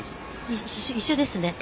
一緒ですね。